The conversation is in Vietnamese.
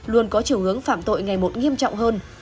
luôn có chiều hướng phạm tội ngày một nghiêm trọng hơn